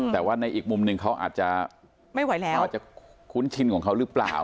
แต่ว่าในอีกมุมนึงเขาอาจจะคุ้นชินของเขาหรือเปล่า